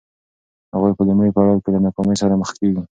هغوی په لومړي پړاو کې له ناکامۍ سره مخ کېږي.